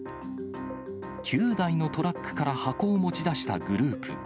９台のトラックから箱を持ち出したグループ。